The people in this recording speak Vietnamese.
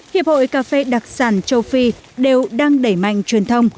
hiệp hội cà phê đặc sản châu phi đều đang đẩy mạnh truyền thông